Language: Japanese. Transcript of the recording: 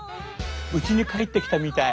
うちに帰ってきたみたい。